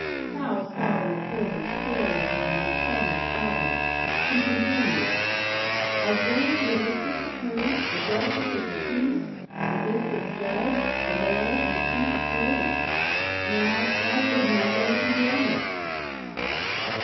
Hal saw the reporter staring at him in sudden excitement; he continued: "I've been to the District Attorney, the Justice of the Peace, the District Judge, the Mayor and the Chief of Police. Now, why shouldn't I go to the Owner?"